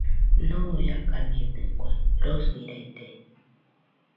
Ñoiakañedɨkue, rosirede.